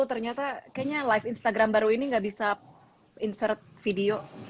ternyata kayaknya live instagram baru ini gak bisa insert video